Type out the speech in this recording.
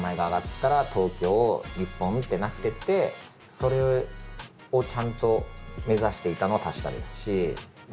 それをちゃんと目指していたのは確かですし。